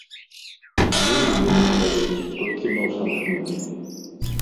Ну і ён стаіць, толькі носам шмыгае.